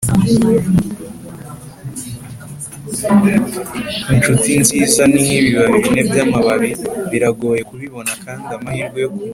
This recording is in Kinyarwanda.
inshuti nziza ni nkibibabi bine byamababi, biragoye kubibona kandi amahirwe yo kugira